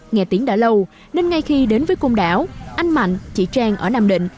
nghe tiếng đã lâu nên ngay khi đến với côn đảo anh mạnh chị trang ở nam định